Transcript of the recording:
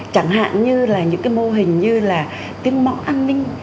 chẳng hạn như là những cái mô hình như là tiếng mõ an ninh